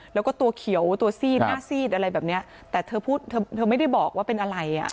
แล้วก็ตัวเขียวตัวซีดหน้าซีดอะไรแบบเนี้ยแต่เธอพูดเธอไม่ได้บอกว่าเป็นอะไรอ่ะ